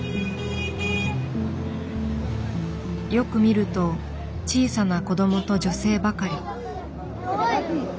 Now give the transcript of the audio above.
よく見ると小さな子どもと女性ばかり。